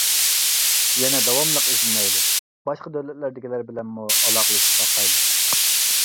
يەنە داۋاملىق ئىزدىنەيلى، باشقا دۆلەتلەردىكىلەر بىلەنمۇ ئالاقىلىشىپ باقايلى.